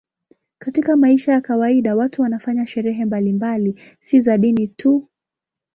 Katika maisha ya kawaida watu wanafanya sherehe mbalimbali, si za dini tu.